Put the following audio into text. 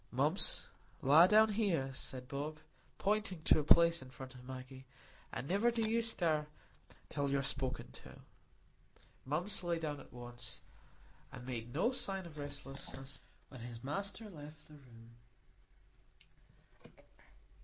"Mumps, lie down there," said Bob, pointing to a place in front of Maggie, "and niver do you stir till you're spoke to." Mumps lay down at once, and made no sign of restlessness when his master left the room.